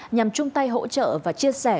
nhằm chung tay hỗ trợ và chia sẻ